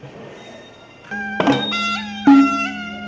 สวัสดีครับทุกคน